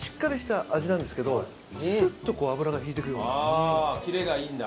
ああキレがいいんだ。